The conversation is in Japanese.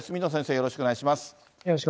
よろしくお願いします。